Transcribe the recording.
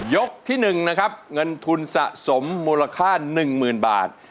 ที่๑นะครับเงินทุนสะสมมูลค่า๑๐๐๐บาท